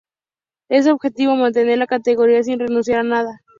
El objetivo, mantener la categoría sin renunciar a nada.